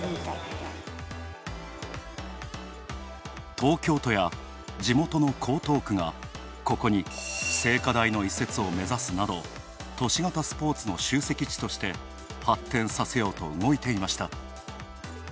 東京都や地元の江東区がここに聖火台の移設を目指すなど都市型スポーツの集積地として発展させようと動いていました。